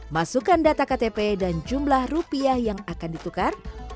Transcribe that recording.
masukkan data ktp dan jumlah rupiah yang akan ditukar